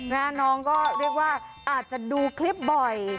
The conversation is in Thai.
น้องก็เรียกว่าอาจจะดูคลิปบ่อย